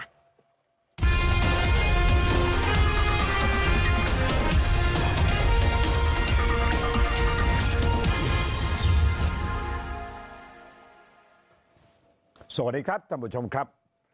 สวัสดีครับท่านผู้ชมครับ